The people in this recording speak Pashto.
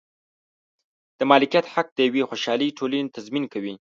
د مالکیت حق د یوې خوشحالې ټولنې تضمین کوي.